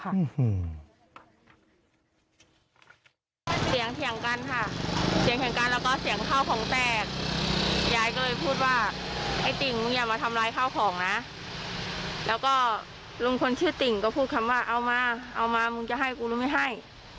เสียงเถียงกันค่ะเสียงแข่งกันแล้วก็เสียงข้าวของแตกยายก็เลยพูดว่าไอ้ติ่งมึงอย่ามาทำร้ายข้าวของนะแล้วก็ลุงคนชื่อติ่งก็พูดคำว่าเอามาเอามามึงจะให้กูหรือไม่ให้